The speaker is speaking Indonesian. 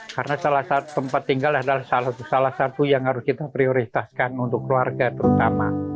karena tempat tinggal adalah salah satu yang harus kita prioritaskan untuk keluarga terutama